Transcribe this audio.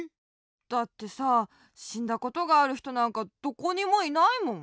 だってさしんだことがあるひとなんかどこにもいないもん。